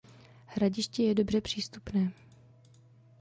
Hradiště je dobře přístupné.